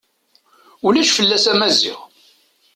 Ulac fell-as a Maziɣ.